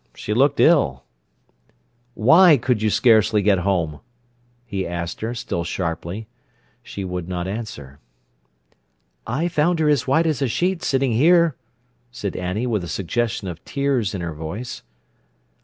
She looked ill. "Why could you scarcely get home?" he asked her, still sharply. She would not answer. "I found her as white as a sheet sitting here," said Annie, with a suggestion of tears in her voice.